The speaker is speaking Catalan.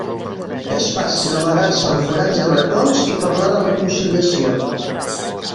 És fàcil amagar-se en forats i racons i parlar de reconciliació.